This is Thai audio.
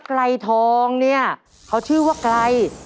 ไกรทองเนี่ยเขาชื่อว่าไกล